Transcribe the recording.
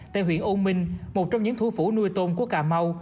tại huyện âu minh một trong những thủ phủ nuôi tôm của cà mau